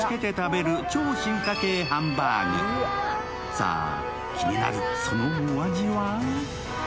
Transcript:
さぁ、気になるそのお味は？